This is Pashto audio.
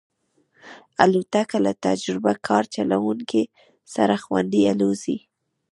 الوتکه له تجربهکار چلونکي سره خوندي الوزي.